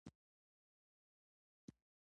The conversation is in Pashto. افغانستان د خاوره په اړه مشهور تاریخی روایتونه لري.